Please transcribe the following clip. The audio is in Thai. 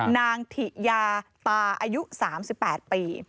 นางถิยาตาอายุ๓๘ปี